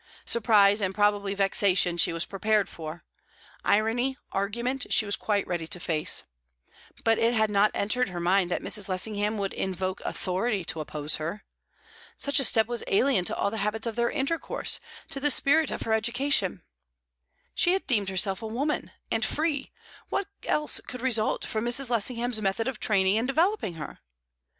Surprise, and probably vexation, she was prepared for; irony, argument, she was quite ready to face; but it had not entered her mind that Mrs. Lessingham would invoke authority to oppose her. Such a step was alien to all the habits of their intercourse, to the spirit of her education. She had deemed herself a woman, and free; what else could result from Mrs. Lessingham's method of training and developing her?